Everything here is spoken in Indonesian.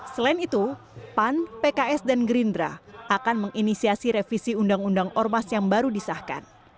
selain itu pan pks dan gerindra akan menginisiasi revisi undang undang ormas yang baru disahkan